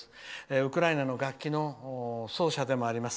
ウクライナの楽器の奏者でもあります。